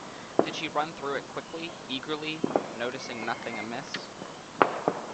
Did she run through it quickly, eagerly, noticing nothing amiss?